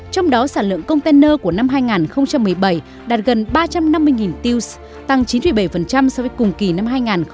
trong đó sản lượng container của năm hai nghìn một mươi bảy đạt gần ba trăm năm mươi tiêus tăng chín bảy so với cùng kỳ năm hai nghìn một mươi bảy